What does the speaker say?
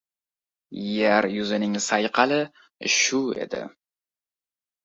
Yer yuzining sayqali shu edi.